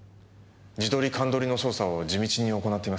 地取り鑑取りの捜査を地道に行っています。